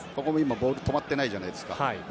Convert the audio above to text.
ボール止まってないじゃないですか。